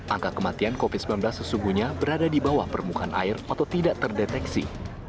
angka kematian covid sembilan belas sesungguhnya berada di bawah permukaan air atau tidak terdeteksi